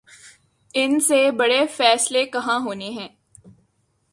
ان سے بڑے فیصلے کہاں ہونے ہیں۔